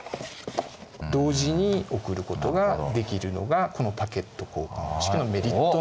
同時に送ることができるのがこのパケット交換方式のメリットになります。